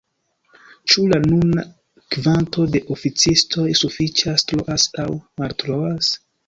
Ĉu la nuna kvanto de oficistoj sufiĉas, troas aŭ maltroas?